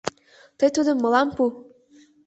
Тый тудым мылам пу!